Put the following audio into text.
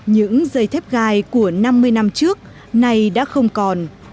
những dây thép gai của năm mươi năm trước nay đã không còn